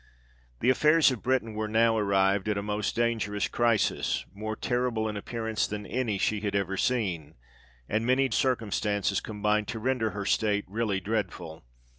The affairs of Britain were now arrived at a most dangerous crisis, more terrible in appearance than any she had ever seen ; and many circumstances combined to render her state really dreadful.